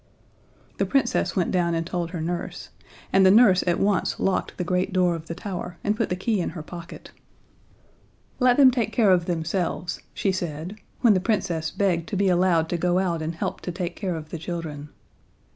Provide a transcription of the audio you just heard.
The Princess went down and told her nurse, and the nurse at once locked the great door of the tower and put the key in her pocket. "Let them take care of themselves," she said, when the Princess begged to be allowed to go out and help to take care of the children.